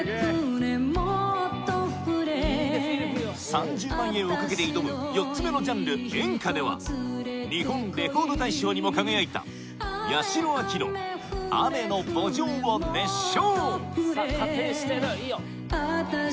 ３０万円を懸けて挑む４つ目のジャンル演歌では日本レコード大賞にも輝いた八代亜紀の『雨の慕情』を熱唱